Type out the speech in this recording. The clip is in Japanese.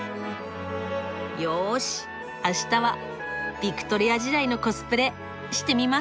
よし明日はビクトリア時代のコスプレしてみますか。